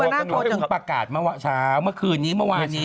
เขาเพิ่งประกาศเมื่อเช้าเมื่อคืนนี้เมื่อวานนี้